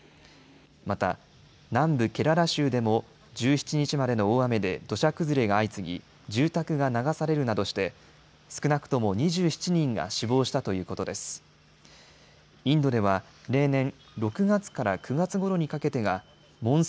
また、南部ケララ州でも１７日までの大雨で土砂崩れが相次ぎ住宅が流されるなどして少なくとも２７人が死亡したということです。